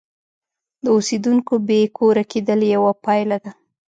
د اوسیدونکو بې کوره کېدل یوه پایله ده.